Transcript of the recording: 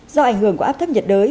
do ảnh hưởng của áp thấp nhiệt đới